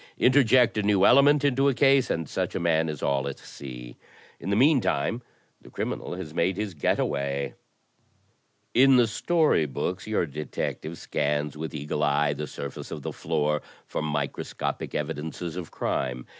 Interject a new ele ment into a case and such a man is all at sea. In the mean time the criminal has made his *get away.' In the story books your detective scans with eagle eye the surface of the floor for microscopic evidences of crime.